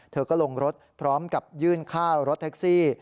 เธอก็ลงรถพร้อมกับยื่นค่ารถแท็กซี่